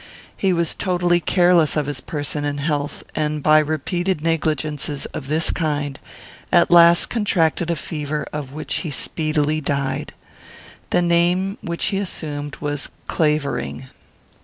He was totally careless of his person and health, and, by repeated negligences of this kind, at last contracted a fever of which he speedily died. The name which he assumed was Clavering.